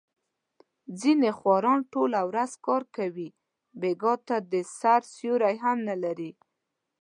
ځنې خواران ټوله ورځ کار کوي، بېګاه ته د سیر سیوری هم نه لري.